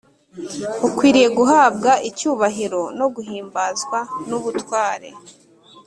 ukwiriye guhabwa icyubahiro no guhimbazwa n’ubutware